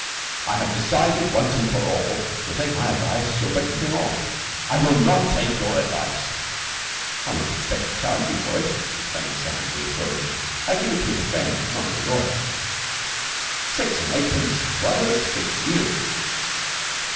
"I have decided once and for all...." "If you'll take my advice, you will break the thing off." "I will not take your advice." "I wouldn't expect to charge you for it," explained Sam, reassuringly. "I give it you as a friend, not as a lawyer. Six and eightpence to others, free to you."